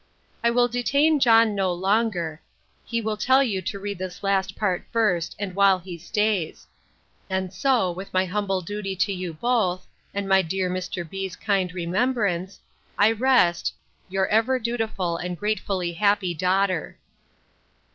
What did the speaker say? I will detain John no longer. He will tell you to read this last part first, and while he stays. And so, with my humble duty to you both, and my dear Mr. B——'s kind remembrance, I rest Your ever dutiful and gratefully happy DAUGHTER.